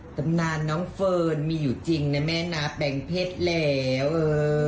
ตำนานน้องเฟิร์นมีอยู่จริงนะแม่นะแปลงเพชรแล้วเออ